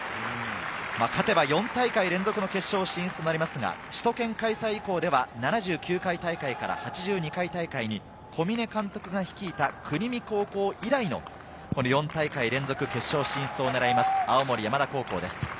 勝てば４大会連続の決勝進出もありますが、首都圏開催以降では７９回大会から８２回大会に小嶺監督が率いた国見高校以来の４大会連続決勝進出を狙います、青森山田高校です。